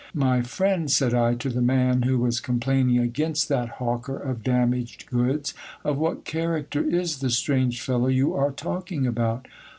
My friend, said I to the man who was complaining against that hawker of damaged goods, of what character is the strange fellow you are talking about